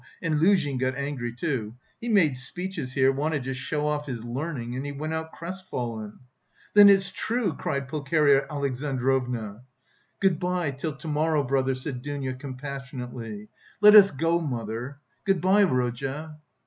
And Luzhin got angry, too.... He made speeches here, wanted to show off his learning and he went out crest fallen...." "Then it's true?" cried Pulcheria Alexandrovna. "Good bye till to morrow, brother," said Dounia compassionately "let us go, mother... Good bye, Rodya."